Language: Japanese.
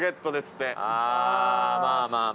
まあまあ。